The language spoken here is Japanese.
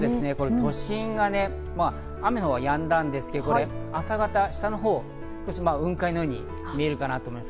都心がね、雨のほうはやんだんですけど、朝方、下のほう、雲海のように見えるかなと思います。